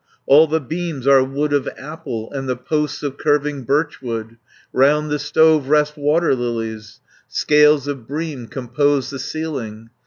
All the beams are wood of apple, And the posts of curving birchwood, Round the stove rest water lilies, Scales of bream compose the ceiling.